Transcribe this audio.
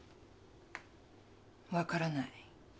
分からない。